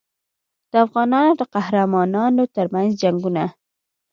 د افغانانو د قهرمانانو ترمنځ جنګونه.